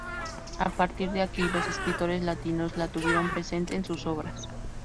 A partir de aquí los escritores latinos la tuvieron presente en sus obras.